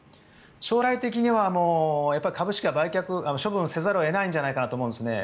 将来的には株式は処分せざるを得ないんじゃないかなと思うんですね。